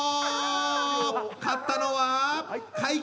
勝ったのは怪奇！